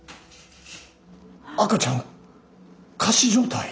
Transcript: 赤ちゃん仮死状態？